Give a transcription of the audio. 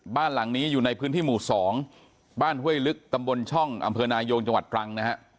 บ้านหลังนี้อยู่ในพื้นที่หมู่๒บ้านเฮ่ยลึกตำบลช่องอนายโยงจปรัง